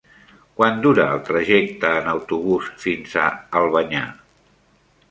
Quant dura el trajecte en autobús fins a Albanyà?